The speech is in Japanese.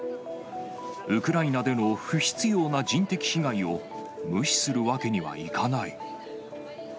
ウクライナでの不必要な人的被害を無視するわけにはいかない。